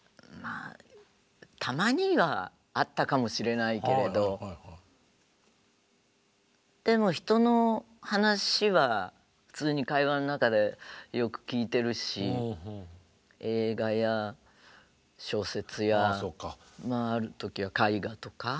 あたまにはあったかもしれないけれどでも人の話は普通に会話の中でよく聞いてるし映画や小説やある時は絵画とか。